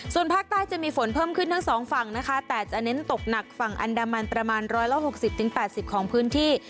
ส่วนภาคใต้จะมีฝนเพิ่มขึ้นทั้งสองฝั่งนะคะแต่จะเน้นตกหนักฝั่งอันดามันประมาณ๑๖๐๘๐ของพื้นที่